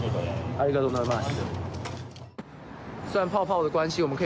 ありがとうございます。